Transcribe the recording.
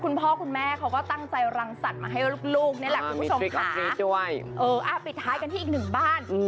คุณพ่อคุณแม่เขาก็ก็ตั้งใจรังสัตว์มาให้ลูกนี้แหละคุณผู้ชมคะมีกดตริกมากระดาบนี้ด้วยเออไปเท้ากันที่อีกนึงบ้าน